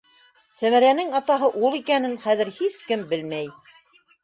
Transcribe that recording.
Сәмәрәнең атаһы ул икәнен хәҙер һис кем белмәй.